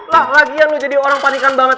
lah lagian lo jadi orang panikan banget